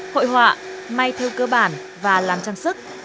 hội họa may theo cơ bản và làm trang sức